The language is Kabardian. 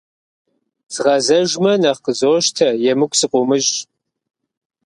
Згъэзэжмэ, нэхъ къызощтэ, емыкӀу сыкъыумыщӀ.